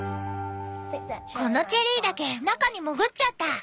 このチェリーだけ中に潜っちゃった。